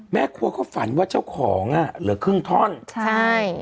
แม่ครัวเขาฝันว่าเจ้าของอ่ะเหลือครึ่งท่อนใช่